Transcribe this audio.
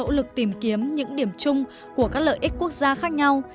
nỗ lực tìm kiếm những điểm chung của các lợi ích quốc gia khác nhau